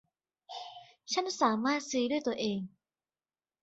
ฉันสามารถซื้อด้วยตัวเอง